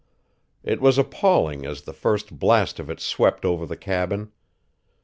It was appalling as the first blast of it swept over the cabin.